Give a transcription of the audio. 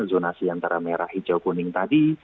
zonasi antara merah hijau kuning tadi